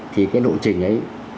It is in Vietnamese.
thì cái nội trình ấy